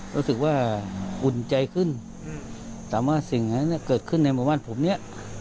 รู้สึกว่าอุ่นใจขึ้นถามว่าสิ่งนั้นเนี่ยเกิดขึ้นในประวัติผมเนี่ย